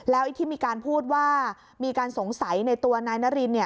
ไอ้ที่มีการพูดว่ามีการสงสัยในตัวนายนาริน